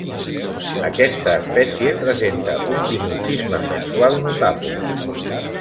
Aquesta espècie presenta un dimorfisme sexual notable.